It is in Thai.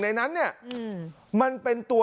ในนั้นเนี่ยมันเป็นตัว